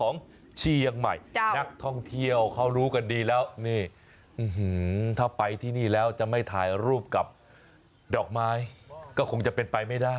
นักท่องเที่ยวเขารู้กันดีแล้วนี่ถ้าไปที่นี่แล้วจะไม่ถ่ายรูปกับดอกไม้ก็คงจะเป็นไปไม่ได้